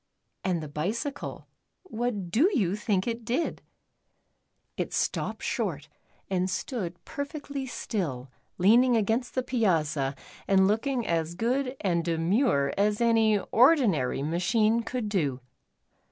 And the bicycle, what do you think it did ? It stopped short, and stood perfectly still, leaning The N. S. Bicycle. 63 against the piazza., and looking as good and de mure as any ordinary machine could do.